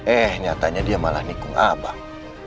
eh nyatanya dia malah nikung abang